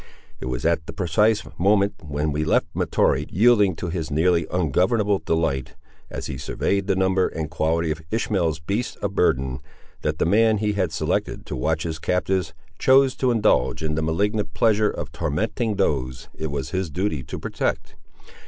It was at the precise moment when we left Mahtoree yielding to his nearly ungovernable delight, as he surveyed the number and quality of Ishmael's beasts of burden, that the man he had selected to watch his captives chose to indulge in the malignant pleasure of tormenting those it was his duty to protect.